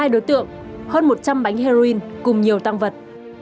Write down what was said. một mươi hai đối tượng hơn một trăm linh bánh heroin cùng nhiều tăng vật